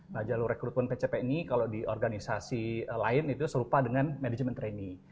nah jalur rekrutmen pcp ini kalau di organisasi lain itu serupa dengan manajemen training